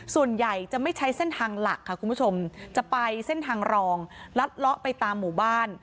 ส่วนใหญ่จะไม่ใช้เส้นทางหลักค่ะคุณผู้ชมจะไปเส้นทางรองลัดเลาะไปตามหมู่บ้าน